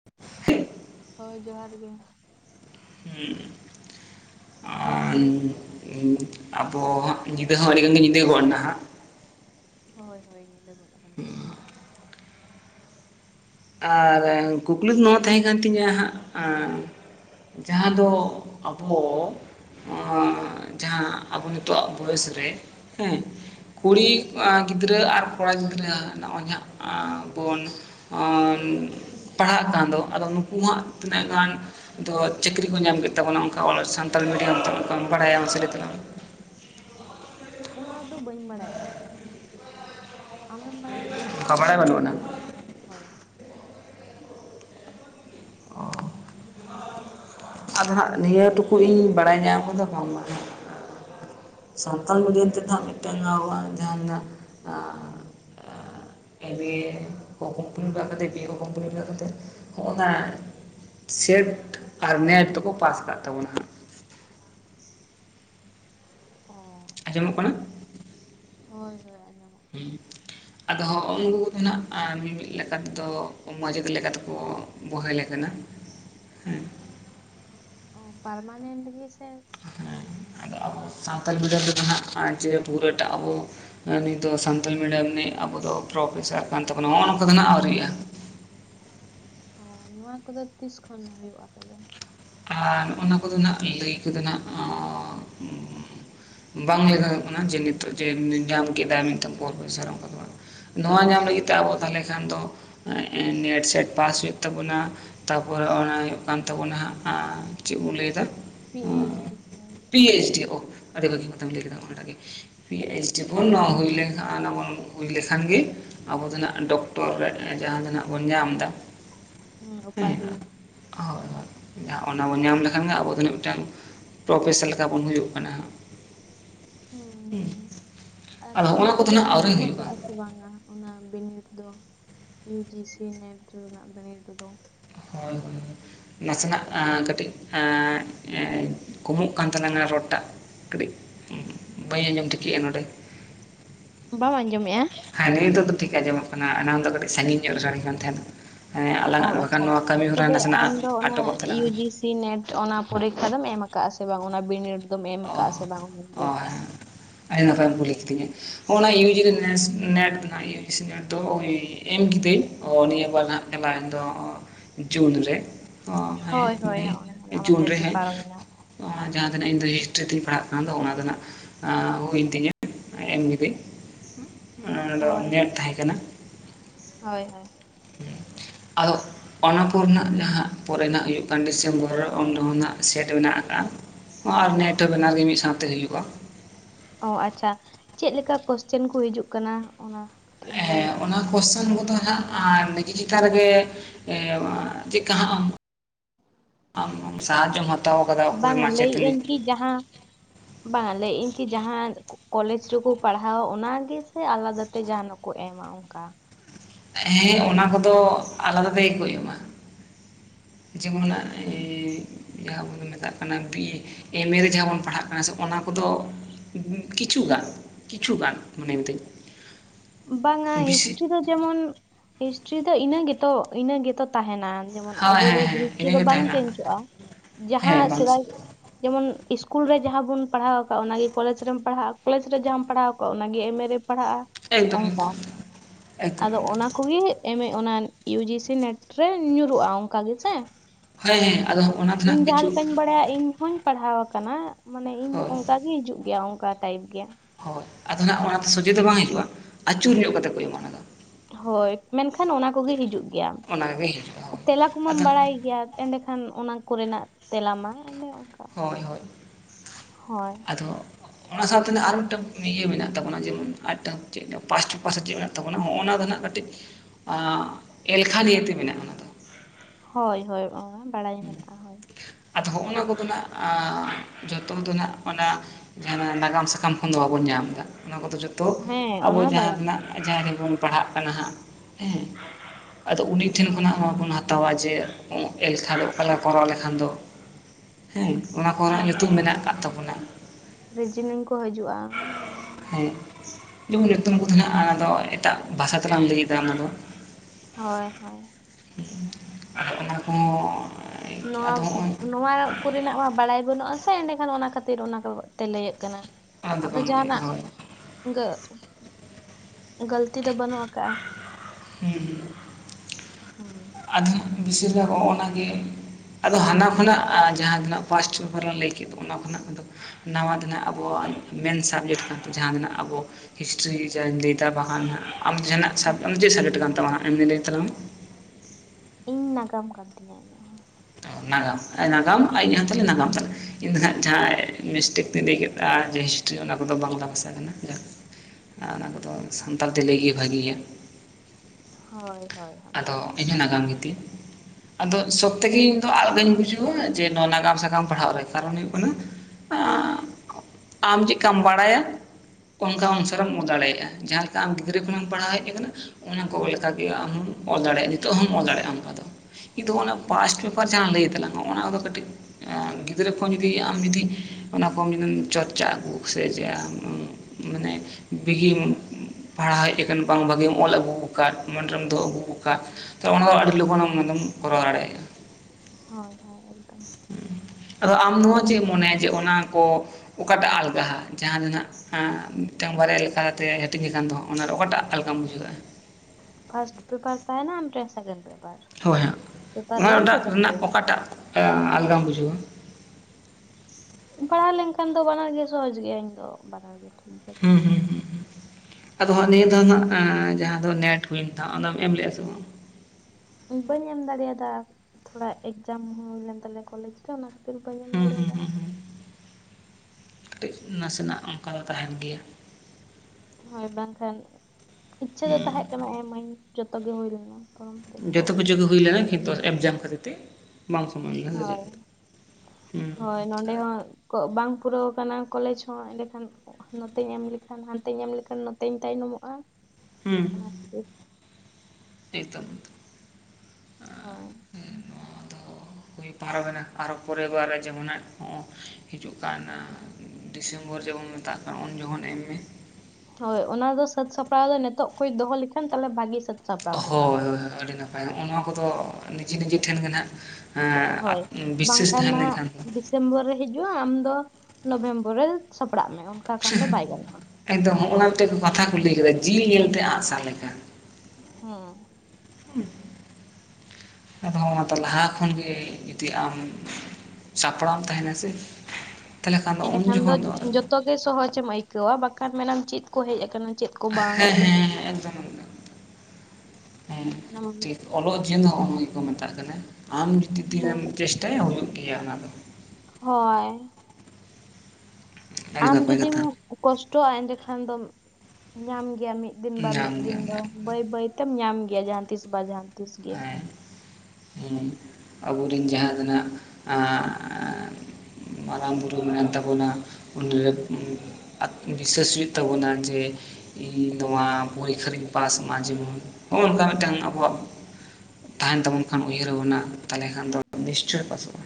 [inaudible] ᱦᱳᱭ ᱡᱚᱦᱟᱨ ᱜᱮ, ᱦᱩᱸ ᱟᱨ ᱟᱵᱚ ᱦᱟᱸᱜ ᱧᱤᱫᱟᱹ ᱦᱚᱸ ᱟᱹᱰᱤ ᱜᱟᱱ ᱜᱮ ᱧᱤᱫᱟᱹ ᱜᱚᱫ ᱮᱱᱟ ᱦᱟᱸᱜ ᱦᱳᱭ ᱦᱳᱭ ᱧᱤᱫᱟᱹ ᱜᱚᱫ ᱟᱠᱟᱱ ᱜᱮᱭᱟ ᱾ ᱟᱨ ᱠᱩᱠᱞᱤ ᱫᱚ ᱱᱚᱣᱟᱹ ᱛᱟᱦᱮᱸ ᱠᱟᱱᱟᱱ ᱛᱤᱧᱟᱹ ᱦᱟᱸᱜ ᱡᱟᱦᱟᱸ ᱫᱚ ᱟᱵᱚ ᱱᱚᱣᱟ ᱡᱟᱦᱟᱸ ᱟᱵᱚ ᱱᱤᱛᱚᱜᱼᱟ ᱵᱚᱭᱮᱥᱨᱮ ᱦᱮᱸ, ᱠᱩᱲᱤ ᱦᱮᱸ ᱜᱤᱫᱽᱨᱟᱹ ᱟᱨ ᱠᱚᱲᱟ ᱜᱤᱫᱽᱨᱟᱹ ᱱᱚᱜᱼᱚᱭ ᱦᱟᱸᱜ ᱵᱚᱱ ᱟᱜ ᱯᱟᱲᱦᱟᱜ ᱠᱟᱱ ᱫᱚ ᱟᱫᱚ ᱱᱩᱠᱩ ᱦᱟᱸᱜ ᱛᱤᱱᱟᱹᱜ ᱜᱟᱱ ᱫᱚ ᱪᱟᱹᱠᱨᱤ ᱠᱚ ᱧᱟᱢ ᱠᱮᱫ ᱛᱟᱵᱚᱱᱟ ᱚᱱᱠᱟ ᱚᱞ ᱥᱟᱱᱛᱟᱲᱤ ᱢᱤᱰᱤᱭᱟᱢ ᱛᱮ ᱵᱟᱲᱟᱭᱟᱢ ᱥᱟᱹᱨᱤ ᱞᱟᱹᱭ ᱛᱮᱞᱟᱝ ᱢᱮ ᱚᱱᱟ ᱫᱚ ᱵᱟᱹᱧ ᱵᱟᱲᱟᱭᱟ ᱾ ᱟᱢᱮᱢ ᱵᱟᱲᱟᱭᱮᱫ ᱚᱱᱠᱟ ᱠᱷᱟᱱ ᱵᱟᱲᱟᱭ ᱵᱟᱹᱱᱩᱜ ᱞᱟᱹᱭᱟᱹᱧ ᱟᱱᱟᱝ ᱢᱮ ᱦᱳᱭ, ᱚ ᱟᱫᱚ ᱦᱟᱸᱜ ᱱᱤᱭᱟᱹ ᱴᱩᱠᱩ ᱤᱧ ᱵᱟᱲᱟᱭ ᱧᱟᱢ ᱠᱟᱫᱟ ᱵᱟᱝᱢᱟ ᱥᱟᱱᱛᱟᱞ ᱢᱤᱰᱤᱭᱟᱢᱛᱮ ᱦᱟᱸᱜ ᱢᱤᱫᱴᱮᱱ ᱡᱟᱦᱟᱸ ᱮᱢ ᱮ ᱠᱚ ᱠᱳᱢᱯᱟᱱᱤ ᱠᱟᱛᱮᱫ ᱵᱤ ᱮ ᱠᱚ ᱠᱚᱳᱢᱯᱟᱱᱤ ᱢᱮᱱᱟᱜ ᱠᱟᱛᱮᱫ ᱦᱚᱸᱜ ᱱᱚᱣᱟ ᱥᱮᱴ ᱟᱨ ᱱᱮᱴ ᱫᱚᱠᱚ ᱯᱟᱥ ᱟᱠᱟᱫ ᱛᱟᱵᱚᱱᱟ‌ ᱦᱟᱸᱜ ᱚ ᱟᱪᱪᱷᱟ ᱟᱸᱡᱚᱢᱚᱜ ᱠᱟᱱᱟ ᱦᱮᱸ ᱦᱳᱭ ᱦᱳᱭ ᱟᱸᱢᱚᱢ ᱟᱠᱟᱫᱟᱹᱧ ᱾ ᱦᱩᱸ ᱟᱫᱚ ᱦᱟᱸᱜ ᱩᱱᱠᱩ ᱠᱚᱫᱚ ᱦᱟᱸᱜ ᱢᱤᱢᱤᱫ ᱞᱮᱠᱟ ᱛᱮᱫᱚ ᱢᱟᱪᱮᱫ ᱞᱮᱠᱟ ᱛᱮᱠᱚ ᱵᱳᱚᱦᱮᱞᱮ ᱠᱟᱱᱟ ᱾ ᱦᱮᱸ ᱚ ᱯᱟᱨᱢᱟᱱᱮᱱᱴ ᱜᱮ ᱥᱮ ᱦᱮᱸ ᱟᱫᱚ ᱟᱵᱚ ᱥᱟᱱᱛᱟᱞᱤ ᱢᱤᱰᱤᱭᱟᱢ ᱨᱮᱫᱚ ᱦᱟᱸᱜ ᱡᱮ ᱯᱩᱨᱟᱹᱴᱟᱜ ᱟᱵᱚ ᱱᱤᱛ ᱫᱚ ᱥᱟᱱᱛᱟᱞᱤ ᱢᱤᱰᱤᱭᱟᱢ ᱨᱤᱱᱤᱡ ᱟᱵᱚ ᱫᱚ ᱯᱨᱚᱯᱷᱮᱥᱟᱨ ᱠᱟᱱ ᱛᱟᱵᱚᱱᱟ ᱱᱚᱜᱼᱚᱭ ᱱᱚᱝᱠᱟ ᱫᱚ ᱱᱟᱦᱟᱜ ᱟᱹᱣᱨᱤᱜᱼᱟ ᱾ ᱚ ᱱᱚᱣᱟ ᱠᱚᱫᱚ ᱛᱤᱥ ᱠᱷᱚᱱ ᱦᱩᱭᱩᱜ-ᱟ ᱛᱚᱵᱮ ᱟᱨ ᱱᱚᱜ ᱱᱚᱣᱟ ᱠᱚᱫᱚ ᱱᱟᱦᱟᱜ ᱞᱟᱹᱭ ᱠᱚᱫᱚ ᱱᱟᱜ ᱵᱟᱝ ᱞᱟᱹᱭ ᱜᱟᱱᱚᱜ ᱠᱟᱱᱟ ᱡᱮ ᱱᱤᱛᱚᱜ ᱡᱮ ᱧᱟᱢ ᱠᱮᱫᱟᱭ ᱢᱤᱫᱴᱟᱱ ᱯᱨᱚᱯᱷᱮᱥᱟᱨ ᱚᱱᱠᱟ ᱫᱚ ᱦᱟᱸᱜ ᱱᱚᱣᱟ ᱧᱟᱢ ᱞᱟᱹᱜᱤᱫ ᱛᱮ ᱟᱵᱚ ᱛᱟᱦᱚᱞᱮ ᱠᱷᱟᱱ ᱫᱚ ᱱᱮᱴ ᱥᱮᱴ ᱯᱟᱥ ᱦᱩᱭᱩᱜ ᱛᱟᱵᱩᱱᱟ ᱛᱟᱯᱚᱨᱮ ᱚᱱᱟ ᱦᱩᱭᱩᱜ ᱠᱟᱱ ᱛᱟᱵᱚᱱᱟᱜ ᱪᱮᱫ ᱵᱚᱱ ᱞᱟᱹᱭᱫᱟ ᱯᱤ ᱮᱭᱤᱪ ᱰᱤ ᱠᱚᱨᱟᱣ ᱦᱩᱭᱩᱜᱼᱟ ᱯᱤ ᱮᱤᱪ ᱰᱤ ᱚ, ᱟᱹᱰᱤ ᱵᱷᱟᱹᱜᱤ ᱠᱟᱛᱷᱟᱢ ᱞᱟᱹᱭ ᱠᱮᱫᱟ ᱱᱚᱣᱟ ᱴᱟᱜᱮ ᱯᱤ ᱮᱤᱪ ᱰᱤ ᱵᱚᱱ ᱦᱩᱭ ᱞᱮᱠᱷᱟᱱ ᱜᱮ, ᱟᱵᱚ ᱫᱚᱱᱟᱜ ᱰᱚᱠᱴᱚᱨ ᱡᱟᱦᱟᱸ ᱛᱮᱱᱟᱜ ᱵᱚᱱ ᱧᱟᱢ ᱮᱫᱟ ᱦᱩᱸ ᱦᱮᱸ ᱩᱯᱟᱫᱷᱤ ᱦᱳᱭ ᱦᱳᱭ ᱚᱱᱟ ᱵᱚᱱ ᱧᱟᱢ ᱞᱮᱠᱷᱟᱱ ᱜᱮ ᱟᱵᱚ ᱫᱚ ᱢᱤᱫᱴᱟᱝ ᱯᱨᱚᱯᱷᱮᱥᱟᱨ ᱞᱮᱠᱟ ᱵᱚᱱ ᱦᱩᱭᱩᱜ ᱠᱟᱱᱟ ᱦᱟᱸᱜ ᱦᱩᱸ ᱦᱮᱸ ᱦᱩᱸ ᱟᱨ ᱟᱫᱚ ᱟᱢ ᱦᱚᱸᱜᱼᱚ ᱫᱚ ᱱᱟ ᱠᱚᱫᱚ ᱱᱟᱜ ᱛᱚᱵᱮᱢ ᱟᱹᱣᱨᱤ ᱮᱢ ᱦᱩᱭᱩᱜᱼᱟ ᱠᱟᱜᱼᱟ ᱥᱮ ᱥᱮ ᱵᱟᱝᱟ ᱚᱱᱟ ᱵᱤᱱᱤᱰ ᱫᱚ ᱤᱭᱩ ᱡᱤ ᱥᱤ ᱱᱮᱴ ᱨᱮᱱᱟᱜ ᱵᱤᱱᱤᱰ ᱫᱚ ᱦᱳᱭ ᱦᱳᱭ ᱱᱟᱥᱮᱱᱟᱜ ᱠᱟᱹᱴᱤᱡ ᱠᱚᱢᱚᱜ ᱠᱟᱱ ᱛᱟᱞᱟᱝ-ᱟ ᱨᱚᱲ ᱴᱟᱜ ᱠᱟᱹᱴᱤᱡ ᱵᱟᱹᱧ ᱟᱸᱡᱚᱢ ᱴᱷᱤᱠᱮᱜᱼᱟ ᱱᱚᱸᱰᱮ ᱵᱟᱢ ᱟᱸᱡᱚᱢᱮᱜᱼᱟ? ᱦᱮᱸ ᱱᱤᱭᱟᱹ ᱱᱤᱛᱚᱜ ᱴᱷᱤᱠ ᱟᱸᱡᱚᱢᱚᱜ ᱠᱟᱱᱟ ᱮᱱᱟᱝ ᱫᱚ ᱠᱟᱹᱴᱤᱡ ᱥᱟᱺᱜᱤᱧ ᱧᱚᱜ ᱨᱮ ᱥᱟᱲᱮ ᱠᱟᱱ ᱛᱟᱦᱮᱸᱱᱟ, ᱚ ᱟᱞᱟᱝᱟᱜ ᱵᱟᱠᱷᱟᱱ ᱟᱪᱪᱷᱟ ᱱᱚᱣᱟ ᱠᱟᱹᱢᱤᱦᱚᱨᱟ ᱛᱚᱵᱮ ᱱᱟᱥᱮᱱᱟᱜ ᱟᱢ ᱫᱚ ᱚᱱᱟ ᱟᱴᱚᱠᱚᱜ ᱤᱭᱩ ᱛᱟᱞᱟᱝ-ᱟ ᱾ ᱡᱤ ᱱᱮᱴ ᱚᱱᱟ ᱯᱚᱨᱤᱠᱠᱷᱟ ᱫᱚᱢ ᱮᱢ ᱟᱠᱟᱜᱼᱟ ᱥᱮ ᱵᱟᱝ ᱚᱱᱟ ᱵᱤᱱᱤᱰ ᱫᱚᱢ ᱮᱢ ᱟᱠᱟᱜᱼᱟ ᱥᱮ ᱵᱟᱝ ᱚᱱᱟᱧ ᱚ ᱞᱟᱹᱭᱮᱜᱼᱟ ᱾ ᱟᱹᱰᱤ ᱱᱟᱯᱟᱭᱮᱢ ᱠᱩᱞᱤ ᱠᱤᱫᱤᱧᱟ ᱾ ᱱᱚᱜ ᱱᱚᱣᱟ U G NET U NET ᱫᱚ ᱮᱢ ᱠᱤᱫᱟᱹᱧ ᱱᱤᱭᱟᱹ ᱵᱟᱨ ᱦᱟᱸᱜ ᱪᱟᱞᱟᱣ ᱮᱱ ᱫᱚ ᱡᱩᱱ ᱨᱮ, ᱦᱮᱸ ᱦᱳᱭ ᱦᱳᱭ ᱢᱮ ᱦᱚᱸᱜᱼᱚᱭ ᱦᱚᱞᱟ ᱡᱩᱱ ᱢᱟᱫᱷᱮᱨ ᱨᱮ ᱜᱮ ᱦᱮᱸ ᱯᱟᱨᱚᱢᱮᱱᱟ ᱡᱟᱦᱟᱸ ᱛᱤᱱᱟᱹᱜ [unintelligible] [unintelligible] ᱛᱤᱧ ᱯᱟᱲᱦᱟᱜ ᱠᱟᱱ ᱫᱚ ᱚᱱᱟ ᱫᱚ ᱱᱟᱜ ᱦᱩᱭᱮᱱ ᱛᱤᱧᱟᱹ ᱮᱢᱱᱤ ᱛᱮᱭ ᱾ ᱚᱱᱟ ᱫᱚ ᱦᱳᱭ ᱱᱮᱴ ᱛᱟᱦᱮᱸ ᱠᱟᱱᱟ ᱦᱳᱭ ᱦᱳᱭ ᱟᱫᱚ ᱚᱱᱟ ᱯᱚᱨᱮᱱᱟᱜ ᱡᱟᱦᱟᱸ ᱯᱚᱨᱮᱱᱟᱜ ᱦᱩᱭᱩᱜ ᱠᱟᱱ ᱰᱤᱥᱮᱢᱵᱚᱨ ᱨᱮ ᱚᱱᱰᱮᱱᱟᱜ ᱥᱮᱴ ᱢᱮᱱᱟᱜ ᱟᱠᱟ-ᱟ ᱟᱨ ᱱᱮᱴ ᱦᱚᱸ ᱵᱟᱱᱟᱨ ᱜᱮ ᱢᱤᱫ ᱥᱟᱶᱛᱮ ᱦᱩᱭᱩᱜ-ᱟ ᱚ ᱟᱪᱪᱷᱟ ᱪᱮᱫ ᱞᱮᱠᱟ ᱠᱚᱥᱪᱮᱱ ᱠᱚ ᱦᱤᱡᱩᱜ ᱠᱟᱱᱟ ᱚᱱᱟ ᱠᱟᱹᱴᱤᱡ ᱮᱢ ᱞᱟᱹᱭ ᱦᱮᱸ ᱞᱮᱠᱷᱟᱱ ᱚᱱᱟ ᱵᱷᱟᱜᱮᱜᱼᱟ? ᱠᱚᱥᱪᱮᱱ ᱠᱚᱫᱚ ᱦᱟᱸᱜ ᱵᱤᱞᱤ ᱠᱟᱞ ᱜᱮ ᱪᱮᱫᱠᱟ ᱟᱢ ᱦᱟᱸᱜ ᱥᱟᱦᱟᱡᱚᱢ ᱦᱟᱛᱟᱣ ᱾ ᱦᱟᱛᱟᱣ ᱟᱠᱟᱫᱟ ᱚᱠᱚᱭ ᱵᱟᱝᱟ ᱢᱟᱪᱮᱛᱟᱹᱱᱤ ᱾ ᱡᱟᱦᱟᱸ ᱵᱟᱝ ᱞᱟᱹᱭ ᱤᱧ ᱠᱤ ᱡᱟᱦᱟᱸ ᱠᱚᱞᱮᱡᱽ ᱨᱮᱠᱚ ᱯᱟᱲᱦᱟᱣᱟ ᱚᱱᱟ ᱜᱮ ᱥᱮ ᱟᱞᱟᱫᱟ ᱛᱮ ᱡᱟᱦᱟᱱᱟᱜ ᱠᱚ ᱮᱢᱟ ᱾ ᱚᱱᱠᱟ ᱦᱮᱸ, ᱚᱱᱟ ᱠᱚᱫᱚ ᱟᱞᱟᱫᱟ ᱛᱮᱜᱮ ᱠᱚ ᱮᱢᱟ ᱾ ᱡᱮᱢᱚᱱ ᱮᱭ ᱡᱟᱦᱟᱸ ᱵᱚᱱ ᱢᱮᱛᱟᱜ ᱠᱟᱱᱟ ᱵᱤ ᱮᱢ ᱮ ᱨᱮ ᱡᱟᱦᱟᱸ ᱵᱚᱱ ᱯᱟᱲᱦᱟᱜ ᱠᱟᱱᱟ ᱥᱮ ᱚᱱᱟ ᱠᱚᱫᱚ ᱠᱤᱪᱷᱩᱜᱟᱱ ᱠᱤᱪᱷᱩᱜᱟᱱ ᱢᱚᱱᱮ ᱢᱤᱛᱟᱹᱧ ᱵᱟᱝᱟ ᱵᱮᱥᱤ ᱦᱤᱥᱴᱨᱤ ᱫᱚ ᱡᱮᱢᱚᱱ ᱦᱤᱥᱴᱨᱤ ᱫᱚ ᱤᱱᱟᱹ ᱜᱮᱛᱚ ᱤᱱᱟᱹ ᱜᱮᱛᱚ ᱛᱟᱦᱮᱱᱟ ᱡᱮᱢᱚᱱ ᱦᱳᱭ ᱟᱵᱚ ᱦᱮᱸ ᱫᱚ ᱦᱮᱸ ᱫᱨᱤᱥᱥᱚ ᱫᱚ ᱤᱱᱟᱹᱜᱮ ᱵᱟᱝ ᱛᱟᱦᱮᱱᱟ ᱪᱮᱧᱡᱚᱜᱼᱟ ᱡᱟᱦᱟᱸ ᱦᱮᱸ ᱵᱟᱝ ᱥᱮᱫᱟᱭ ᱡᱮᱢᱚᱱ ᱤᱥᱠᱩᱞ ᱨᱮ ᱡᱟᱦᱟᱸ ᱵᱚᱱ ᱯᱟᱲᱦᱟᱣ ᱠᱟᱜ ᱚᱱᱟ ᱜᱮ ᱠᱚᱞᱮᱡᱽ ᱨᱮᱢ ᱯᱟᱲᱦᱟᱜᱼᱟ ᱠᱚᱞᱮᱡᱽ ᱨᱮ ᱡᱟᱦᱟᱸᱢ ᱯᱟᱲᱦᱟᱣ ᱠᱟᱜᱼᱟ ᱚᱱᱟᱜᱮ ᱮᱢ ᱮ ᱨᱮ ᱾ ᱯᱟᱲᱦᱟᱜᱼᱟ ᱮᱠᱫᱚᱢ ᱚᱱᱠᱟ ᱮᱠᱫᱚᱢ ᱮᱠᱫᱚᱢ ᱟᱫᱚ ᱮᱠᱫᱚᱢ ᱚᱱᱟ ᱠᱚᱜᱮ ᱮᱢᱮ ᱚᱱᱟ ᱤᱭᱩ ᱡᱤ ᱥᱤ ᱱᱮᱴ ᱨᱮ ᱧᱩᱨᱩᱜᱼᱟ ᱚᱱᱠᱟ ᱜᱮ ᱥᱮ ᱾ ᱦᱮᱸ ᱦᱮᱸ ᱟᱫᱚ ᱚᱱᱟ ᱫᱚ ᱤᱧ ᱦᱟᱸᱜ ᱠᱤᱪᱷᱩ ᱡᱟᱦᱟᱸᱞᱮᱠᱟᱧ ᱵᱟᱲᱟᱭᱟ ᱤᱧ ᱦᱚᱧ ᱯᱟᱲᱦᱟᱣ ᱠᱟᱱᱟ ᱢᱟᱱᱮ ᱤᱧ ᱦᱳᱭ ᱚᱱᱠᱟ ᱜᱮ ᱦᱤᱡᱩᱜ ᱜᱮᱭᱟ ᱚᱱᱠᱟ ᱴᱟᱭᱤᱯ ᱜᱮ ᱾ ᱦᱳᱭ ᱾ ᱟᱫᱚ ᱦᱟᱸᱜ ᱚᱱᱟ ᱫᱚ ᱥᱚᱡᱷᱮ ᱫᱚ ᱵᱟᱝ ᱦᱤᱡᱩᱜᱼᱟ ᱟᱹᱪᱩᱨ ᱧᱚᱜ ᱠᱟᱛᱮ ᱠᱚ ᱮᱢᱚᱜᱟ ᱚᱱᱟ ᱫᱚ ᱾ ᱦᱳᱭ ᱾ ᱢᱮᱱᱠᱷᱟᱱ ᱚᱱᱟ ᱠᱚᱜᱮ ᱦᱤᱡᱩᱜ ᱜᱮᱭᱟᱢ ᱚᱱᱟᱜᱮ ᱦᱤᱡᱩᱜᱼᱟ ᱦᱳᱭ ᱾ ᱛᱮᱞᱟ ᱠᱚᱢᱟᱢ ᱟᱫᱚ ᱵᱟᱲᱟᱭ ᱜᱮᱭᱟ ᱾ ᱮᱸᱰᱮᱠᱷᱟᱱ ᱚᱱᱟ ᱠᱚᱨᱮᱱᱟᱜ ᱛᱮᱞᱟᱢᱟ ᱚᱱᱮ ᱚᱱᱠᱟ ᱾ ᱦᱳᱭ ᱦᱳᱭ ᱾ ᱟᱫᱚ ᱚᱱᱟ ᱥᱟᱶᱛᱮ ᱟᱨ ᱢᱤᱫᱴᱟᱝ ᱤᱭᱟᱹ ᱢᱮᱱᱟᱜ ᱛᱟᱵᱚᱱᱟ, ᱡᱮᱢᱚᱱ ᱟᱨ ᱢᱤᱫᱴᱟᱝ ᱪᱮᱫ ᱯᱟᱥ ᱯᱟᱥᱮ ᱪᱮᱫ ᱢᱮᱱᱟᱜ ᱛᱚ ᱾ ᱚᱱᱟ ᱦᱚᱸᱜᱼᱚᱭ ᱱᱟ ᱫᱚ ᱱᱟᱜ ᱠᱟᱹᱴᱤᱡ ᱮᱞᱠᱷᱟ ᱱᱤᱭᱮᱛᱮ ᱢᱮᱱᱟᱜᱼᱟ ᱾ ᱦᱳᱭ ᱦᱳᱭ ᱾ ᱚᱱᱟ ᱵᱟᱲᱟᱭ ᱢᱮᱱᱟᱜᱼᱟ ᱾ ᱦᱳᱭ ᱾ ᱟᱫᱚ ᱦᱚᱸᱜᱼᱚ ᱱᱚᱭᱟ ᱠᱚᱫᱚ ᱦᱟᱸᱜ ᱡᱚᱛᱚ ᱫᱚ ᱦᱟᱸᱜ ᱚᱱᱟ ᱱᱟᱜᱟᱢ ᱥᱟᱠᱟᱢ ᱠᱷᱚᱱ ᱫᱚ ᱵᱟᱵᱚᱱ ᱧᱟᱢ ᱮᱫᱟ ᱚᱱᱟ ᱠᱚᱫᱚ ᱡᱚᱛᱚ ᱦᱮᱸ ᱟᱵᱚ ᱚᱱᱟ ᱡᱟᱦᱟᱸ ᱵᱟᱲᱟᱭ ᱛᱤᱱᱟᱜ ᱡᱟᱦᱟᱸ ᱜᱮᱵᱚᱱ ᱯᱟᱲᱦᱟᱜ ᱠᱟᱱᱟ ᱦᱟᱸᱜ ᱦᱮᱸ ᱟᱫᱚ ᱩᱱᱤ ᱴᱷᱮᱱ ᱦᱳᱭ ᱠᱷᱚᱱᱟᱜ ᱱᱚᱣᱟ ᱵᱚᱱ ᱦᱟᱛᱟᱣᱟ ᱡᱮ ᱮᱞᱠᱷᱟ ᱚᱠᱟ ᱞᱮ ᱠᱚᱨᱟᱣ ᱞᱮᱠᱷᱟᱱ ᱫᱚ ᱦᱮᱸ, ᱚᱱᱟ ᱠᱚᱨᱮᱱᱟᱜ ᱧᱩᱛᱩᱢ ᱦᱳᱭ ᱢᱮᱱᱟᱜ ᱠᱟᱜ ᱛᱟᱵᱚᱱᱟ ᱾ ᱨᱤᱡᱤᱱᱤᱝ ᱠᱚ ᱦᱤᱡᱩᱜᱼᱟ ᱾ ᱦᱮᱸ, ᱡᱮᱢᱚᱱ ᱧᱩᱛᱩᱢ ᱠᱚᱫᱚ ᱱᱟᱜ ᱚᱱᱟᱫᱚ ᱮᱴᱟᱜ ᱵᱷᱟᱥᱟ ᱛᱮᱞᱟᱝ ᱞᱟᱹᱭᱮᱫᱟ ᱚᱱᱟ ᱫᱚ ᱾ ᱦᱳᱭ ᱦᱳᱭ ᱾ ᱟᱨ ᱚᱱᱟ ᱠᱚᱦᱚᱸ ᱱᱚᱣᱟ ᱟᱫᱚ ᱦᱚᱸᱜᱼᱚᱭ ᱱᱚᱣᱟ ᱠᱚᱨᱮᱱᱟᱜ ᱢᱟ ᱵᱟᱲᱟᱭ ᱵᱟᱹᱱᱩᱜ ᱟᱥᱮ ᱮᱸᱰᱮᱠᱷᱟᱱ ᱚᱱᱟ ᱠᱷᱟᱹᱛᱤᱨ ᱚᱱᱟ ᱠᱚ ᱛᱮ ᱞᱟᱹᱭᱟᱹᱜ ᱠᱟᱱᱟ ᱚᱱᱟ ᱾ ᱫᱚ ᱟᱫᱚ ᱵᱟᱝ ᱞᱟᱹᱭ ᱡᱟᱦᱟᱱᱟᱜ ᱦᱳᱭ ᱤᱝᱠᱟᱹ ᱜᱟᱹᱞᱛᱤ ᱫᱚ ᱵᱟᱹᱱᱩᱜ ᱟᱠᱟᱜᱼᱟ ᱦᱩᱸ ᱦᱩᱸ ᱾ ᱦᱩᱸ ᱾ ᱟᱫᱚ ᱵᱮᱥᱤᱨ ᱵᱷᱟᱜᱽ ᱦᱚᱸᱜ-ᱚ ᱚᱱᱟ ᱜᱮ ᱟᱫᱚ ᱦᱟᱱᱟ ᱠᱷᱚᱱᱟᱜ ᱡᱟᱦᱟᱸ ᱛᱤᱱᱟᱹᱜ ᱯᱟᱥᱯᱟᱨᱟ ᱞᱟᱹᱭ ᱠᱮᱫ ᱚᱱᱟ ᱠᱷᱚᱱᱟᱜ ᱫᱚ ᱱᱟᱣᱟ ᱫᱚ ᱦᱟᱸᱜ ᱟᱵᱚᱣᱟᱜ ᱢᱮᱱ ᱥᱟᱵᱡᱮᱠᱴ ᱠᱟᱱᱟ, ᱡᱟᱦᱟᱸ ᱫᱚ ᱦᱟᱸᱜ ᱟᱵᱚ ᱦᱤᱥᱴᱨᱤ ᱡᱟᱧ ᱞᱟᱹᱭᱮᱫᱟ ᱵᱟᱠᱷᱟᱱ ᱟᱢ ᱡᱟᱦᱟᱱᱟᱜ ᱥᱟᱵ ᱟᱢ ᱾ ᱪᱮᱫ ᱥᱟᱵᱡᱮᱠᱴ ᱠᱟᱱ ᱛᱟᱢᱟ ᱟᱢ ᱧᱟᱹᱭ ᱛᱟᱞᱟᱝ ᱢᱮ? ᱤᱧ ᱱᱟᱜᱟᱢ ᱠᱟᱱ ᱛᱤᱧᱟᱹ ᱤᱧᱟᱹᱜ ᱦᱚᱸ ᱾ ᱱᱟᱜᱟᱢ ᱱᱟᱜᱟᱢ ᱟᱡᱤᱧ ᱦᱚ ᱛᱟᱞᱮ ᱱᱟᱜᱟᱢ ᱛᱟᱞᱮ ᱾ ᱤᱧᱫᱚ ᱦᱟᱸᱜ ᱡᱟᱦᱟᱸ ᱢᱤᱥᱴᱮᱠ ᱛᱤᱧ ᱞᱟᱹᱭ ᱠᱮᱫ ᱦᱤᱥᱴᱨᱤ ᱚᱱᱟ ᱠᱚᱫᱚ ᱵᱟᱝᱞᱟ ᱵᱷᱟᱥᱟ ᱠᱟᱱᱟ ᱾ ᱟᱨ ᱚᱱᱟ ᱠᱚᱫᱚ ᱥᱟᱱᱛᱟᱲᱛᱮ ᱞᱟᱹᱭᱜᱮ ᱵᱷᱟᱹᱜᱤᱭᱟ ᱾ ᱦᱳᱭ ᱦᱳᱭ ᱾ ᱟᱫᱚ ᱤᱧᱦᱚᱸ ᱱᱟᱜᱟᱢ ᱜᱤᱛᱤᱧ ᱟᱫᱚ ᱥᱚᱵᱽ ᱛᱮᱜᱤᱧ ᱛᱚ ᱟᱞᱤᱧ ᱵᱩᱡᱷᱟᱹᱣᱟ ᱡᱮ ᱱᱚᱣᱟ ᱱᱟᱜᱟᱢ ᱥᱟᱠᱟᱢ ᱯᱟᱲᱦᱟᱣ ᱨᱮ ᱠᱟᱨᱚᱱ ᱦᱩᱭᱩᱜ ᱠᱟᱱᱟ ᱾ ᱟᱢ ᱪᱮᱫᱠᱟᱢ ᱵᱟᱲᱟᱭᱟ? ᱚᱱᱠᱟ ᱚᱱᱥᱟᱨᱮᱢ ᱚᱞ ᱫᱟᱲᱮᱭᱟᱜᱼᱟ ᱾ ᱡᱟᱦᱟᱸ ᱞᱮᱠᱟ ᱟᱢ ᱜᱤᱫᱽᱨᱟᱹ ᱠᱷᱚᱱᱮᱢ ᱯᱟᱲᱦᱟᱣ ᱦᱮᱡ ᱟᱠᱟᱱᱟ ᱾ ᱚᱱᱟ ᱠᱚ ᱞᱮᱠᱟᱜᱮ ᱟᱢᱦᱚᱢ ᱚᱞ ᱫᱟᱲᱮᱭᱟᱜᱼᱟ, ᱱᱤᱛᱚᱜ ᱦᱚᱢ ᱚᱞ ᱫᱟᱲᱮᱭᱟᱜᱼᱟ ᱚᱱᱠᱟ ᱫᱚ ᱾ ᱠᱤᱱᱛᱩ ᱚᱱᱟ ᱦᱳᱭ ᱯᱟᱥᱴ ᱚᱯᱟᱨ ᱡᱟᱦᱟᱸ ᱞᱟᱹᱭ ᱛᱟᱞᱟᱝᱼᱟ ᱚᱱᱟ ᱠᱚᱫᱚ ᱠᱟᱹᱴᱤᱡ ᱜᱤᱫᱽᱨᱟᱹ ᱠᱷᱚᱱ ᱡᱩᱫᱤ ᱟᱢ ᱡᱩᱫᱤ ᱚᱱᱟ ᱠᱚ ᱡᱫᱢ ᱪᱚᱨᱪᱟ ᱟᱹᱜᱩ ᱥᱮ ᱡ ᱢᱟᱱᱮ ᱵᱤᱜᱤᱼᱼ ᱯᱟᱲᱦᱟᱣ ᱦᱮᱡ ᱟᱠᱟᱱ ᱵᱟᱝ ᱵᱷᱟᱜᱤᱢ ᱚᱞ ᱟᱹᱜᱩ ᱟᱠᱟᱫ ᱢᱟᱨᱚᱢ ᱫᱚᱦᱳ ᱟᱹᱜᱩ ᱠᱟᱜ ᱛᱚ ᱚᱱᱟᱫᱚ ᱟᱹᱰᱤ ᱞᱚᱜᱚᱱᱮᱢ ᱠᱚᱨᱟᱣ ᱫᱟᱲᱮᱭᱟᱜᱼᱟ ᱦᱳᱭ ᱦᱳᱭ ᱮᱠᱫᱚᱢ ᱟᱫᱚ ᱟᱢ ᱱᱚᱣᱟ ᱪᱮᱫ ᱮᱢ ᱢᱚᱱᱮᱭᱟ ᱡᱮ ᱚᱱᱟ ᱠᱚ ᱚᱠᱟᱴᱟᱜ ᱟᱞᱜᱟᱦᱟ ᱡᱟᱦᱟᱸ ᱫᱚ ᱦᱟᱸᱜ ᱢᱤᱫᱴᱟᱝ ᱵᱟᱨᱭᱟ ᱞᱮᱠᱟᱛᱮ ᱦᱟᱹᱴᱤᱧ ᱟᱠᱟᱱ ᱫᱚ ᱚᱱᱟ ᱚᱠᱟᱴᱟᱜ ᱟᱞᱠᱟᱢ ᱵᱩᱡᱷᱟᱹᱣᱼᱟ ᱯᱷᱟᱥᱴ ᱯᱮᱯᱟᱨ ᱛᱟᱦᱮᱱᱟ ᱟᱨ ᱢᱤᱫᱴᱟᱝ ᱥᱮᱠᱮᱱᱰ ᱯᱮᱯᱟᱨ ᱦᱳᱭ ᱦᱟᱸ ᱯᱮᱯᱟᱨ ᱳᱣᱟᱱ ᱚᱱᱟ ᱴᱟᱜ ᱯᱮᱯᱟᱨ ᱨᱮᱱᱟᱜ ᱴᱩ ᱚᱠᱟᱴᱟᱜ ᱟᱞᱜᱟᱢ ᱵᱩᱡᱷᱟᱹᱣᱟ ᱯᱟᱲᱦᱟᱣ ᱞᱮᱱᱠᱷᱟᱱ ᱫᱚ ᱵᱟᱱᱟᱨ ᱜᱮ ᱥᱚᱦᱚᱡᱽ ᱜᱮᱭᱟ ᱤᱧ ᱫᱚ ᱵᱟᱱᱟᱨ ᱜᱮ ᱴᱷᱤᱠ ᱜᱮᱭᱟ ᱦᱩᱸ ᱛᱤᱧ ᱦᱩᱸ ᱦᱩᱸ ᱦᱩᱸ ᱟᱫᱚ ᱦᱟᱜ ᱱᱤᱭᱟᱹ ᱫᱷᱟᱣ ᱦᱟᱸᱜ ᱡᱟᱦᱟᱸ ᱫᱚ ᱱᱮᱴ ᱦᱩᱭᱮᱱ ᱦᱟᱸᱜ ᱚᱱᱟᱢ ᱮᱢ ᱞᱮᱜᱼᱟ ᱥᱮ ᱵᱟᱝ ᱵᱟᱹᱧ ᱮᱢ ᱫᱟᱲᱮᱭᱟᱫᱟ ᱛᱷᱚᱲᱟ ᱮᱠᱡᱟᱢ ᱦᱩᱭᱞᱮᱱ ᱛᱟᱞᱮᱭᱟ ᱠᱚᱞᱮᱡᱽ ᱛᱮ ᱚᱱᱟ ᱠᱷᱛᱤᱨ ᱵᱟᱹᱧ ᱮᱢ ᱦᱩᱸ ᱦᱩᱸ ᱫᱟᱲᱮᱭᱟᱫᱟ ᱦᱩᱸ ᱦᱩᱸ ᱠᱟᱹᱴᱤᱡ ᱱᱟᱥᱮᱱᱟᱜ ᱚᱱᱠᱟ ᱫᱚ ᱛᱟᱦᱮᱱ ᱜᱮᱭᱟ ᱦᱳᱭ ᱵᱟᱝᱠᱷᱟᱱ ᱤᱪᱪᱷᱟᱹ ᱫᱚ ᱦᱩᱸ ᱛᱟᱦᱮᱸ ᱠᱟᱱᱟ ᱮᱢᱟᱹᱧ ᱡᱚᱛᱚ ᱜᱮ ᱦᱩᱭ ᱞᱮᱱᱟ ᱯᱷᱚᱨᱚᱢ ᱯᱮᱨᱮᱡ ᱠᱚ ᱡᱚᱛᱚ ᱠᱤᱪᱷᱩ ᱜᱮ ᱦᱩᱭ ᱞᱮᱱᱟ ᱠᱤᱱᱛᱩ ᱮᱠᱡᱟᱢ ᱠᱷᱟᱹᱛᱤᱨ ᱛᱮ ᱵᱟᱝ ᱥᱚᱢᱟᱭ ᱞᱮᱱᱟ ᱥᱮ ᱪᱮᱫ ᱦᱳᱭ ᱦᱩᱸ ᱦᱳᱭ ᱱᱚᱸᱰᱮ ᱟᱨ ᱦᱚᱸ ᱵᱟᱝ ᱯᱩᱨᱟᱹᱣ ᱠᱟᱱᱟ ᱠᱚᱞᱮᱡᱽ ᱦᱚᱸ ᱮᱸᱰᱮᱠᱷᱟᱱ ᱱᱚᱛᱮᱧ ᱮᱢ ᱞᱮᱠᱷᱟᱱ ᱦᱟᱱᱛᱮᱧ ᱮᱢ ᱞᱮᱠᱷᱟᱱ ᱱᱚᱛᱮᱧ ᱛᱟᱭᱱᱚᱢᱚᱜᱼᱟ ᱦᱩᱸ ᱚᱱᱟ ᱠᱷᱟᱹᱛᱤᱨ ᱮᱠᱫᱚᱢ ᱦᱳᱭ ᱦᱮᱸ ᱱᱚᱣᱟ ᱰᱷᱟᱣ ᱦᱩᱭ ᱯᱟᱨᱚᱢᱱᱟ ᱟᱨᱚ ᱯᱚᱨᱮᱵᱟᱨ ᱨᱮ ᱡᱮᱢᱚᱱ ᱦᱟᱸᱜ ᱦᱚᱸ ᱦᱤᱡᱩᱜ ᱠᱟᱱ ᱰᱤᱥᱮᱢᱵᱚᱨ ᱨᱮᱵᱚᱱ ᱢᱮᱛᱟᱜ ᱠᱟᱱ ᱩᱱ ᱡᱚᱠᱷᱚᱱ ᱮᱢ ᱢᱮ ᱦᱳᱭ ᱚᱱᱟ ᱫᱚ ᱥᱟᱹᱛ ᱥᱟᱯᱲᱟᱣ ᱫᱚ ᱱᱤᱛᱚᱜ ᱠᱷᱚᱡ ᱫᱚᱦᱚ ᱞᱮᱠᱷᱟᱱ ᱛᱟᱦᱚᱞᱮ ᱵᱷᱟᱹᱜᱤ ᱥᱟᱹᱛ ᱥᱟᱯᱲᱟᱣ ᱦᱩᱭᱩᱜᱼᱟ ᱦᱳᱭ ᱦᱳᱭ ᱟᱹᱰᱤ ᱱᱟᱯᱟᱭ ᱱᱚᱜᱼᱚ ᱱᱚᱣᱟ ᱠᱚᱫᱚ ᱱᱤᱡᱮ ᱱᱤᱡᱮ ᱴᱷᱮᱱ ᱜᱮ ᱱᱟᱜ ᱦᱳᱭ ᱦᱮᱸ ᱵᱤᱥᱮᱥ ᱵᱟᱝᱠᱷᱟᱱ ᱛᱟᱦᱮᱸ ᱦᱟᱸᱜ ᱞᱮᱱᱠᱷᱟᱱ ᱫᱚ ᱰᱤᱥᱮᱢᱵᱚᱨ ᱨᱮ ᱦᱤᱡᱩᱜᱼᱟ ᱟᱢ ᱫᱚ ᱱᱚᱵᱷᱮᱢᱵᱚᱨ ᱨᱮ ᱥᱟᱯᱲᱟᱜ ᱢᱮ ᱚᱱᱠᱟ ᱠᱷᱟᱱ ᱫᱚ ᱵᱟᱭ ᱜᱟᱱᱚᱜᱼᱟ ᱮᱠᱫᱚᱢ ᱱᱚᱜᱼ ᱱᱟ ᱢᱤᱫᱴᱮᱱ ᱠᱟᱛᱷᱟ ᱠᱚ ᱞᱟᱹᱭ ᱠᱮᱫᱟ ᱡᱤᱞ ᱧᱮᱞᱛᱮ ᱟᱸᱜ ᱥᱟᱵᱽ ᱞᱮᱠᱟ ᱦᱩᱸ ᱟᱫᱚ ᱚᱱᱟ ᱫᱚ ᱞᱟᱦᱟ ᱠᱷᱚᱱᱜᱮ ᱡᱩᱫᱤ ᱟᱢ ᱥᱟᱯᱲᱟᱢ ᱛᱟᱦᱮᱱᱟ ᱥᱮ ᱛᱟᱦᱚᱞᱮ ᱠᱷᱟᱱ ᱩᱱ ᱮᱸᱰᱮᱠᱷᱟᱱ ᱫᱚ ᱡᱚᱠᱷᱚᱱ ᱡᱚᱛᱚ ᱜᱮ ᱥᱚᱦᱚᱡᱽ ᱮᱢ ᱟᱹᱭᱠᱟᱹᱣᱟ ᱵᱟᱠᱷᱟᱱ ᱢᱮᱱᱟᱢ ᱪᱮᱫ ᱠᱚ ᱦᱮᱡ ᱟᱠᱟᱱᱟ ᱪᱮᱫ ᱠᱚ ᱵᱟᱝ ᱦᱮᱸ ᱦᱮᱸ ᱮᱠᱫᱚᱢ ᱮᱠᱫᱚᱢ ᱦᱮᱸ ᱢᱮᱱᱟᱢ᱾ ᱴᱷᱤᱠ ᱚᱞᱚᱜ ᱡᱤᱭᱚᱱ ᱦᱚᱸ ᱚᱱᱟ ᱜᱮᱠᱚ ᱢᱮᱛᱟᱜ ᱠᱟᱱᱟ ᱟᱢ ᱡᱩᱫᱤ ᱛᱤᱱᱟᱹᱜ ᱦᱩᱸ ᱮᱢ ᱪᱮᱥᱴᱼᱼ ᱭᱟ ᱦᱩᱭᱩᱜ ᱜᱮᱭᱟ ᱚᱱᱟ ᱫᱚ ᱦᱳᱭ ᱟᱹᱰᱤ ᱟᱢ ᱱᱟᱯᱟᱭ ᱡᱩᱫᱤᱢ ᱠᱟᱛᱷᱟ ᱠᱚᱥᱴᱚᱜᱼᱟ ᱮᱸᱰᱮᱠᱷᱟᱱ ᱫᱚᱢ ᱧᱟᱢ ᱜᱮᱭᱟ ᱢᱤᱫ ᱢᱤᱫ ᱫᱤᱱ ᱵᱟ ᱧᱟᱢ ᱢᱤᱫ ᱫᱤᱱ ᱜᱮᱭᱟᱢ ᱫᱚ ᱧᱟᱢ ᱜᱮᱭᱟᱢ ᱵᱟᱹᱭ ᱵᱟᱹᱭᱛᱮᱢ ᱧᱟᱢ ᱜᱮᱭᱟ ᱡᱟᱦᱟᱸ ᱛᱤᱥ ᱵᱟᱝ ᱡᱟᱦᱟᱸ ᱛᱤᱥ ᱜᱮ ᱦᱩᱸ ᱟᱵᱚᱨᱤᱱ ᱡᱟᱦᱟᱸᱭ ᱫᱚ ᱦᱟᱸᱜ ᱟᱸᱼ ᱢᱟᱨᱟᱝ ᱵᱩᱨᱩ ᱢᱮᱱᱟᱭ ᱛᱟᱵᱚᱱᱟ ᱩᱱᱨᱮ ᱟᱛᱛᱤᱭᱚ ᱵᱤᱥᱥᱟᱹᱥ ᱦᱩᱭᱩᱜ ᱛᱟᱵᱚᱱᱟ ᱡᱮ ᱤᱧ ᱱᱚᱣᱟ ᱯᱚᱨᱤᱠᱠᱷᱟᱨᱤᱧ ᱯᱟᱥ ᱢᱟ ᱡᱮᱢᱚᱱ ᱱᱚᱜᱼᱚ ᱱᱚᱝᱠᱟ ᱢᱤᱫᱴᱟᱝ ᱟᱵᱚᱣᱟᱜ ᱛᱟᱦᱮᱱ ᱛᱟᱵᱚᱱ ᱠᱷᱟᱱ ᱩᱭᱦᱟᱹᱨ ᱟᱵᱚᱱᱟᱜ ᱛᱟᱦᱚᱞᱮ ᱠᱷᱟᱱ ᱫᱚ ᱱᱤᱥᱪᱚᱭ ᱯᱟᱥᱚᱜᱼᱟ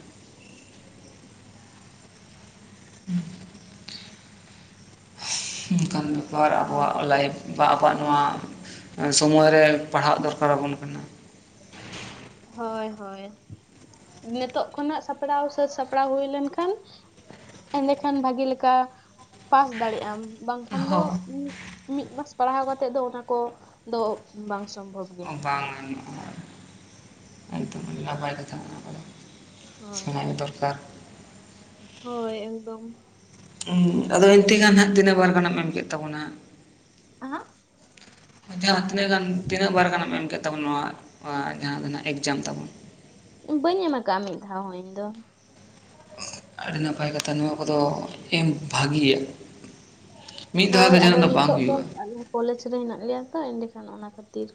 ᱚᱱᱠᱟᱱ ᱵᱮᱯᱟᱨ ᱚ ᱟᱵᱚᱣᱟᱜ ᱞᱟᱭᱤᱯᱷ ᱵᱟ ᱟᱵᱚᱣᱟᱜ ᱱᱚᱣᱟ ᱥᱚᱢᱚᱭ ᱨᱮ ᱯᱟᱲᱦᱟᱜ ᱫᱚᱨᱠᱟᱨ ᱟᱵᱚᱱ ᱠᱟᱱᱟ ᱦᱳᱭ ᱦᱳᱭ ᱱᱤᱛᱚᱜ ᱠᱷᱚᱱᱟᱜ ᱥᱟᱯᱲᱟᱣ ᱥᱟᱹᱛ ᱥᱟᱯᱲᱟᱣ ᱦᱩᱭ ᱞᱮᱱᱠᱷᱟᱱ ᱮᱸᱰᱮᱠᱷᱟᱱ ᱵᱷᱟᱜᱤ ᱞᱮᱠᱟ ᱯᱟᱥ ᱫᱟᱲᱮᱭᱟᱜ ᱟᱢ ᱵᱟᱝᱠᱷᱟᱱ ᱫᱚ ᱦᱳᱭ ᱢᱤᱫ ᱢᱟᱥ ᱯᱟᱲᱦᱟᱣ ᱠᱟᱛᱮᱫ ᱫᱚ ᱚᱱᱟ ᱠᱚᱫᱚ ᱵᱟᱝ ᱥᱚᱢᱵᱷᱚᱵᱽ ᱵᱟᱝ ᱜᱟᱱᱚᱜᱼᱟ ᱟᱨ ᱮᱠᱫᱚᱢ ᱱᱟᱯᱟᱭ ᱠᱟᱛᱷᱟ ᱢᱮᱱᱟᱜ ᱟᱠᱟᱫᱟ ᱦᱳᱭ ᱥᱮᱬᱟᱭ ᱫᱚᱨᱠᱟᱨ ᱦᱳᱭ ᱮᱠᱫᱚᱢ ᱟᱫᱚ ᱤᱱᱛᱮᱜᱟᱱ ᱦᱟᱸᱜ ᱛᱤᱱᱟᱹᱜ ᱵᱟᱨ ᱜᱟᱱ ᱮᱢ ᱠᱮᱫ ᱛᱟᱵᱚᱱᱟ ᱦ [unintelligible] ᱡᱟᱦᱟᱸ ᱛᱤᱱᱟᱹᱜ ᱜᱟᱱ ᱛᱤᱱᱟᱹᱜ ᱵᱟᱨ ᱜᱟᱱᱮᱢ ᱮᱢ ᱠᱮᱫ ᱛᱟᱵᱚᱱ ᱱᱚᱣᱟ ᱡᱟᱦᱟᱸ ᱫᱚ ᱱᱟᱜ ᱮᱠᱡᱟᱢ ᱛᱟᱵᱚᱱ ᱵᱟᱹᱧ ᱮᱢ ᱟᱠᱟᱫᱼᱟ ᱢᱤᱫ ᱫᱷᱟᱣ ᱦᱚᱸ ᱤᱧ ᱫᱚ ᱟᱹᱰᱤ ᱱᱟᱯᱟᱭ ᱠᱟᱛᱷᱟ ᱱᱚᱣᱟ ᱠᱚᱫᱚ ᱮᱢ ᱵᱷᱟᱹᱜᱤᱭᱟ ᱢᱤᱫ ᱫᱷᱟᱣ ᱦᱳᱭ ᱫᱚ ᱟᱫᱚ ᱡᱟᱦᱟᱱᱟᱜ ᱵᱟᱝ ᱱᱤᱛᱚᱜ ᱫᱚ ᱦᱩᱭᱩᱜᱼᱟ᱾ ᱟᱞᱮ ᱠᱚᱞᱮᱡᱽ ᱨᱮ ᱦᱮᱱᱟᱜ ᱞᱮᱭᱟ ᱛᱚ ᱮᱸᱰᱮᱠᱷᱟᱱ ᱚᱱᱟ ᱠᱷᱟᱹᱛᱤᱨ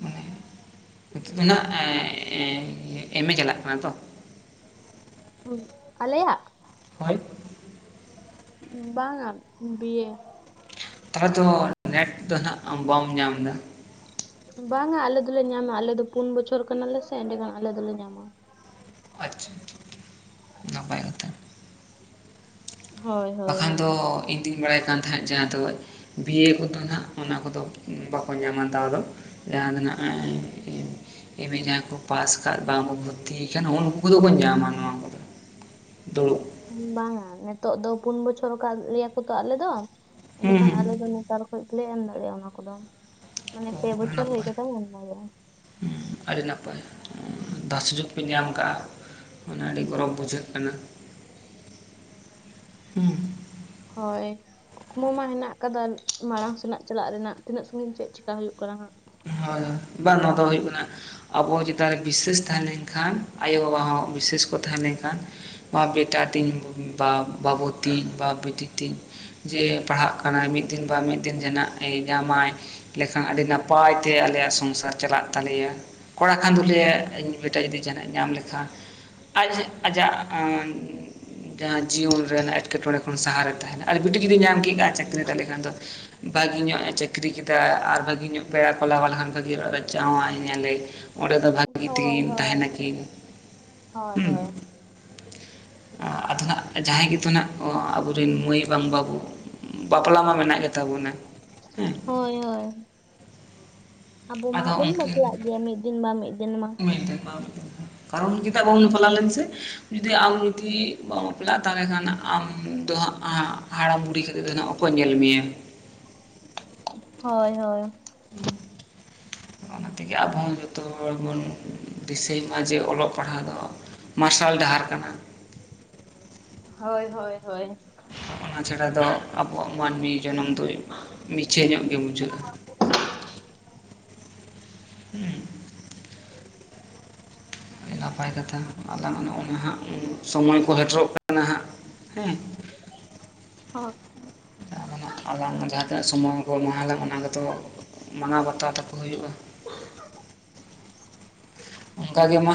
ᱢᱟᱱᱮ ᱱᱤᱛᱚᱜ ᱫᱚ ᱱᱟᱱᱟᱜ [unintelligible] ᱮᱢᱮ ᱪᱟᱞᱟᱜ ᱠᱟᱱᱟ ᱛᱚ ᱟᱞᱮᱭᱟᱜ ᱦᱳᱭ ᱵᱟᱝᱟ ᱵᱤᱭᱮ ᱛᱟᱦᱚᱞᱮ ᱫᱚ ᱱᱮᱴ ᱫᱚ ᱦᱟᱸᱜ ᱟᱢ ᱵᱟᱢ ᱧᱟᱢ ᱮᱫᱟ ᱵᱟᱝᱟ ᱟᱞᱮ ᱫᱚᱞᱮ ᱧᱟᱢᱟ ᱟᱞᱮ ᱫᱚ ᱯᱩᱱ ᱵᱚᱪᱷᱚᱨ ᱠᱟᱱᱟᱞᱮ ᱥᱮ ᱮᱸᱰᱮᱠᱷᱟᱱ ᱟᱞᱮ ᱫᱚᱞᱮ ᱧᱟᱢᱟ ᱟᱪᱪᱷᱟ ᱱᱟᱯᱟᱭ ᱠᱟᱛᱷᱟ ᱦᱳᱭ ᱦᱳᱭ ᱵᱟᱠᱷᱟᱱ ᱦᱳᱭ ᱫᱚ [unintelligible] ᱠᱤᱧ ᱵᱟᱲᱟᱭ ᱠᱟᱱ ᱛᱟᱦᱮᱸᱫ ᱡᱟᱦᱟᱸ ᱫᱚ ᱵᱤᱭᱮ ᱠᱚᱫᱚ ᱦᱸᱟᱜ ᱚᱱᱟ ᱠᱚᱫᱚ ᱵᱟᱠᱚ ᱧᱟᱢᱟ ᱫᱟᱣ ᱫᱚ ᱡᱫᱱᱟ [unintelligible] ᱮᱢ ᱮ ᱡᱟᱦᱟᱸᱭ ᱠᱚ ᱯᱟᱥ ᱟᱠᱟᱫ ᱵᱟᱝᱠᱚ ᱵᱷᱚᱨᱛᱤ ᱟᱠᱟᱱᱟ ᱩᱱᱠᱩ ᱫᱚᱵᱚᱱ ᱧᱟᱢᱟ ᱱᱚᱣᱟ ᱠᱚᱫᱚ ᱫᱩᱲᱩᱵ ᱵᱟᱝᱼᱟ ᱱᱤᱛᱚᱜ ᱫᱚ ᱯᱩᱱ ᱵᱚᱪᱷᱚᱨ ᱟᱠᱟᱫ ᱞᱮᱭᱟᱠᱚ ᱛᱚ ᱟᱞᱮ ᱫᱚ ᱦᱩᱸ ᱮᱱᱮᱠᱷᱟᱱ ᱦᱩᱸ ᱟᱞᱮ ᱫᱚ ᱱᱮᱛᱟᱨ ᱠᱷᱚᱡ ᱜᱮᱞᱮ ᱮᱢ ᱫᱟᱲᱮᱭᱟᱜᱼᱟ ᱚᱱᱟ ᱠᱚᱫᱚ ᱢᱟᱱᱮ ᱯᱮ ᱵᱚᱪᱷᱚᱨ ᱦᱩᱭ ᱠᱟᱛᱮ ᱞᱮ ᱮᱢ ᱫᱟᱲᱮᱭᱟᱜᱼᱟ ᱦᱮᱸ ᱟᱹᱰᱤ ᱱᱟᱯᱟᱭ ᱫᱟ ᱥᱩᱡᱳᱜᱽ ᱵᱤᱱ ᱧᱟᱢ ᱟᱠᱟᱫᱟᱼᱟ ᱢᱟᱱᱮ ᱟᱹᱰᱤ ᱜᱚᱨᱚᱵᱽ ᱵᱩᱡᱷᱟᱹᱜ ᱦᱩᱸ [unintelligible] ᱦᱳᱭ ᱠᱩᱠᱢᱩ ᱢᱟ ᱦᱮᱱᱟᱜ ᱟᱠᱟᱫᱟ ᱢᱟᱲᱟᱝ ᱥᱮᱱᱟᱜ ᱪᱟᱞᱟᱜ ᱨᱮᱱᱟᱜ ᱛᱤᱱᱟᱹᱜ ᱥᱟᱺᱜᱤᱧ ᱪᱮᱫ ᱪᱮᱠᱟ ᱦᱩᱭᱩᱜ ᱠᱟᱱᱟ ᱦᱟᱸᱜ ᱦᱳᱭ ᱵᱟᱝ ᱱᱚᱣᱟ ᱫᱚ ᱦᱩᱭᱩᱜ ᱠᱟᱱᱟ ᱟᱵᱚ ᱪᱮᱛᱟᱱ ᱵᱤᱥᱥᱮᱥ ᱛᱟᱦᱮᱸ ᱞᱮᱱᱠᱷᱟᱱ ᱟᱭᱚᱼᱵᱟᱵᱟ ᱦᱚᱸ ᱵᱤᱥᱥᱮᱥ ᱠᱚ ᱛᱟᱦᱮᱸ ᱞᱮᱱᱠᱷᱟᱱ ᱵᱟ ᱵᱮᱴᱟ ᱛᱤᱧ ᱵᱟ ᱵᱟᱹᱵᱩ ᱛᱤᱧ ᱵᱟ ᱵᱤᱴᱤ ᱛᱤᱧ ᱡᱮ ᱯᱟᱲᱦᱟᱜ ᱠᱟᱱᱟᱭ ᱢᱤᱫ ᱫᱤᱱ ᱵᱟ ᱢᱤᱫ ᱫᱤᱱ ᱡᱟᱦᱱᱟᱜ ᱧᱟᱢᱟᱭ ᱞᱮᱠᱷᱟᱱ ᱟᱹᱰᱤ ᱱᱟᱯᱟᱭ ᱱᱟᱯᱟᱭ ᱛᱮ ᱟᱞᱮᱭᱟᱜ ᱥᱚᱝᱥᱟᱨ ᱪᱟᱞᱟᱜ ᱛᱟᱞᱮᱭᱟ ᱠᱚᱲᱟ ᱠᱷᱟᱱ ᱫᱩᱞᱮ ᱤᱧ ᱵᱮᱴᱟ ᱡᱩᱫᱤ ᱡᱟᱦᱟᱱᱟᱜ ᱮ ᱧᱟᱢ ᱞᱮᱠᱷᱟᱱ ᱟᱡ ᱟᱡᱟᱜ ᱡᱟᱦᱟᱸ ᱡᱤᱭᱚᱱ ᱨᱮᱱ ᱮᱴᱠᱮᱴᱚᱬᱮ ᱠᱷᱚᱱ ᱥᱟᱦᱟᱨᱮ ᱛᱟᱦᱮᱱᱟ ᱟᱨ ᱵᱤᱴᱤ ᱡᱩᱫᱤ ᱧᱟᱢ ᱠᱮᱫ ᱼᱟᱭ ᱪᱟᱹᱠᱨᱤ ᱛᱟᱦᱚᱞᱮ ᱠᱷᱟᱱ ᱫᱚ ᱵᱷᱟᱹᱜᱤ ᱧᱚᱜ ᱮ ᱪᱟᱹᱠᱨᱤ ᱠᱮᱫᱟ ᱟᱨ ᱵᱷᱤᱹᱜᱮ ᱧᱚᱜ ᱵᱮᱲᱟ ᱠᱚ ᱞᱟᱜᱟᱣ ᱞᱮᱱᱠᱷᱟᱱ ᱵᱷᱟᱜᱤ ᱚᱲᱟᱜ ᱨᱮ ᱡᱟᱶ ᱤᱭᱟᱞᱮ ᱚᱸᱰᱮ ᱫᱚ ᱵᱷᱟᱹᱜᱤ ᱦᱳᱭ ᱛᱮᱠᱤᱱ ᱦᱳᱭ᱾ ᱛᱟᱦᱮᱱᱟᱠᱤᱱ ᱦᱳᱭ ᱦᱳᱭ᱾ ᱟᱫᱚ ᱦᱟᱸᱜ ᱡᱟᱦᱟᱸᱭ ᱜᱮᱛᱚ ᱦᱟᱸᱜ ᱟᱵᱚᱨᱮᱱ ᱢᱟᱹᱭ ᱵᱟᱝ ᱵᱟᱵᱚ ᱵᱟᱯᱞᱟ ᱢᱟ ᱢᱮᱱᱟᱜ ᱜᱮᱛᱟ ᱵᱚᱱᱟ ᱦᱮᱸ ᱦᱳᱭ ᱦᱳᱭ ᱟᱵᱚ ᱢᱟᱜ ᱟᱫᱚ ᱵᱚᱱ ᱩᱱᱠᱤᱱ ᱵᱟᱯᱞᱟᱜ ᱜᱮᱭᱟ ᱢᱤᱫ ᱫᱤᱱ ᱵᱟᱝ ᱢᱤᱫ ᱫᱤᱱ ᱢᱟ ᱢᱮᱱᱛᱮ ᱵᱟᱝ ᱠᱟᱨᱚᱱ ᱪᱮᱫᱟᱜ ᱵᱟᱵᱚᱱ ᱵᱟᱯᱞᱟ ᱞᱮᱱ ᱥᱮ ᱡᱩᱫᱤ ᱟᱢ ᱡᱩᱫᱤ ᱵᱟᱢ ᱵᱟᱯᱞᱟᱜᱼᱟ ᱛᱟᱦᱚᱞᱮ ᱠᱷᱟᱱ ᱟᱢ ᱫᱚ ᱦᱟᱸᱜ ᱟ ᱦᱟᱲᱟᱢ ᱵᱩᱲᱦᱤ ᱠᱟᱛᱮᱫ ᱫᱚ ᱚᱠᱚ ᱧᱮᱞ ᱢᱮᱭᱟ ᱦᱳᱭ ᱦᱳᱭ ᱦᱮᱸ ᱚᱱᱟ ᱛᱮᱜᱮ ᱟᱵᱚᱸᱦᱚᱸ ᱡᱚᱛᱚ ᱦᱚᱲ ᱵᱚᱱ ᱫᱤᱥᱟᱹᱭ ᱢᱟ ᱡᱮ ᱚᱞᱚᱜ ᱯᱟᱲᱦᱟᱣ ᱫᱚ ᱢᱟᱨᱥᱟᱞ ᱰᱟᱦᱟᱨ ᱠᱟᱱᱟ ᱦᱳᱭ ᱦᱳᱭ ᱦᱳᱭ ᱚᱱᱟ ᱪᱷᱟᱲᱟ ᱫᱚ ᱟᱵᱚᱣᱟᱜ ᱢᱟᱹᱱᱢᱤ ᱡᱚᱱᱚᱢ ᱫᱚ ᱢᱤᱪᱷᱟᱹ ᱧᱚᱜ ᱜᱮ ᱵᱩᱡᱷᱟᱹᱜᱼᱟ [inaudible] ᱦᱩᱸ ᱟᱹᱰᱤ ᱱᱟᱯᱟᱭ ᱠᱟᱛᱷᱟ, ᱟᱞᱟᱝ ᱟᱜ ᱦᱚᱸ ᱱᱚᱜ-ᱚᱭ ᱦᱟᱸᱜ ᱥᱚᱢᱚᱭ ᱠᱚ ᱥᱮᱴᱮᱨᱚᱜ ᱠᱟᱱᱟ ᱦᱟᱸᱜ ᱦᱮᱸ [inaudible] ᱦᱳ ᱟᱞᱟᱝ ᱡᱟᱦᱟᱸ ᱛᱤᱱᱟᱹᱜ ᱥᱚᱢᱚᱭ ᱠᱚ ᱮᱢᱟᱞᱟᱝ ᱚᱱᱟ ᱠᱚᱫᱚ ᱢᱟᱱᱟᱣ ᱵᱟᱛᱟᱣ ᱛᱟᱠᱚ ᱦᱩᱭᱩᱜᱼᱟ [inaudible] ᱚᱱᱠᱟ ᱜᱮ ᱢᱟ